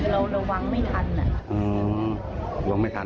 เราระวังเขาอยู่แต่คือเราระวังไม่ทัน